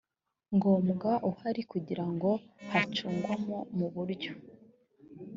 ngombwa uhari kugira ngo hacungwo mu buryo